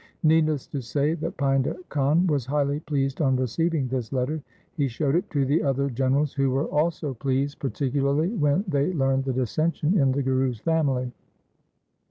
Needless to say that Painda Khan was highly pleased on receiving this letter. He showed it to the other generals, who were also pleased, par ticularly when they learned the dissension in the Guru's family.